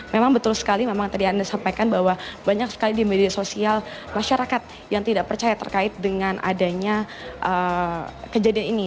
memang betul sekali memang tadi anda sampaikan bahwa banyak sekali di media sosial masyarakat yang tidak percaya terkait dengan adanya kejadian ini